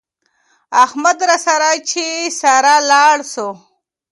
احمده راسه چې سره لاړ سو